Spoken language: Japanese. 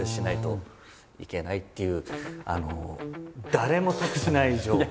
誰も得しない情報。